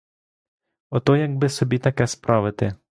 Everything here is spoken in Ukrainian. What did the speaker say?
Ото якби собі таке справити.